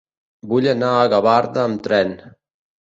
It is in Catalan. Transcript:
Vull anar a Gavarda amb tren.